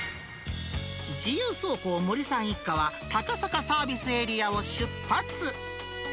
自由走行、森さん一家は、高坂サービスエリアを出発。